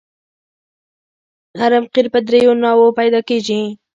نرم قیر په دریو نوعو پیدا کیږي